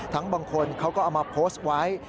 บางคนเขาก็เอามาโพสต์ไว้